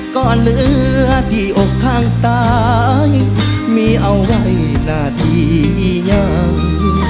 ก็เหลือที่อกข้างซ้ายมีเอาไว้หน้าที่ยัง